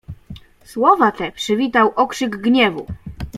"Słowa te przywitał okrzyk gniewu."